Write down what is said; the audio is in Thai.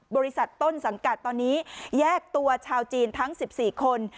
บริษัทต้นสังกัดตอนนี้แยกตัวชาวจีนทั้ง๑๔คน